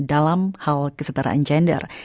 dalam hal kesetaraan gender